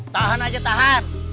tahan aja tahan